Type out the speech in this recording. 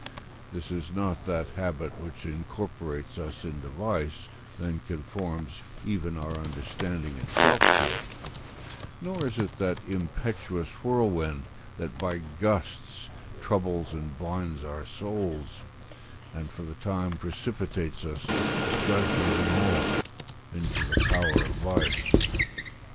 This is not that habit which incorporates us into vice, and conforms even our understanding itself to it; nor is it that impetuous whirlwind that by gusts troubles and blinds our souls, and for the time precipitates us, judgment and all, into the power of vice.